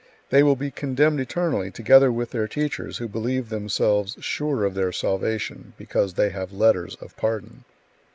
They will be condemned eternally, together with their teachers, who believe themselves sure of their salvation because they have letters of pardon.